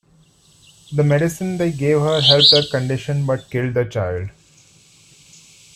The medicine they gave her helped her condition but killed the child.